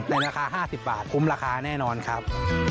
ราคา๕๐บาทคุ้มราคาแน่นอนครับ